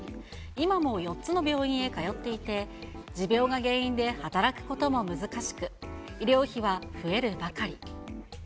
今も４つの病院へ通っていて、持病が原因で働くことも難しく、医療費は増えるばかり。